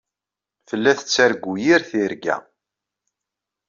Tella tettargu yir tirga.